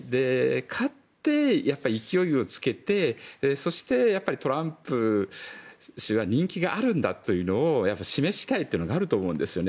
勝って、やっぱり勢いをつけてトランプ氏は人気があるんだというのを示したいんだというのがあるんだと思うんですね。